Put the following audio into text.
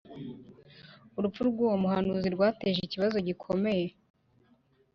urupfu rw’uwo muhanuzi rwateje ikibazo gikomeye